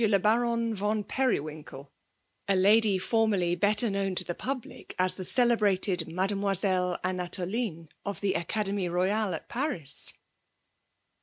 le Baron von Periwinkel,— a lady formerly better known to the public as the celebrated Mademoiselle Anatoline, of the Acad^mie Boyale at Paris